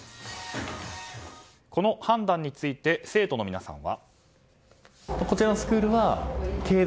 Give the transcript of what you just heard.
この判断について生徒の皆さんは。